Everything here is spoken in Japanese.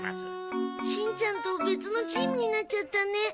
しんちゃんと別のチームになっちゃったね。